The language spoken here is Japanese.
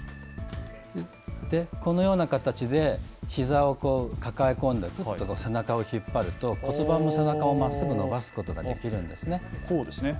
このような形で、ひざを抱え込んで背中を引っ張ると骨盤も背中もまっすぐ伸ばすことができるんです。